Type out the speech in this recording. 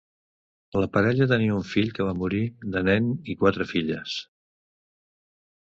La parella tenia un fill que va morir de nen i quatre filles.